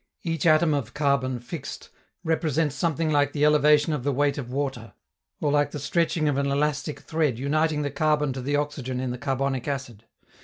Each atom of carbon fixed represents something like the elevation of the weight of water, or like the stretching of an elastic thread uniting the carbon to the oxygen in the carbonic acid.